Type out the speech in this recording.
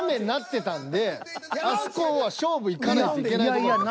あそこは勝負いかないといけないとこやった。